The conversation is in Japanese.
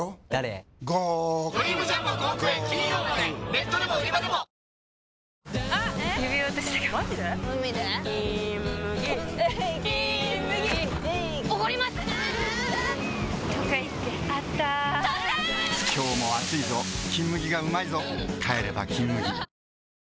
今日も暑いぞ「金麦」がうまいぞ帰れば「金麦」